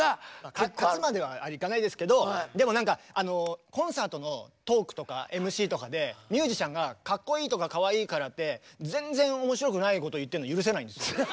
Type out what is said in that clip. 勝つまではいかないですけどでも何かコンサートのトークとかＭＣとかでミュージシャンがかっこいいとかかわいいからって全然面白くないこと言ってるの許せないんですよ。